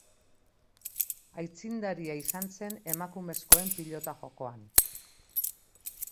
Aitzindaria izan zen emakumezkoen pilota jokoan.